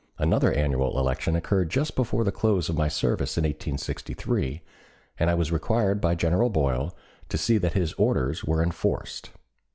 Another annual election occurred just before the close of my service in 1863, and I was required by General Boyle to see that his orders were enforced.